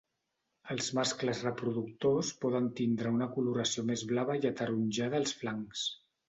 Els mascles reproductors poden tindre una coloració més blava i ataronjada als flancs.